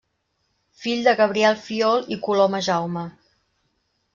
Fill de Gabriel Fiol i Coloma Jaume.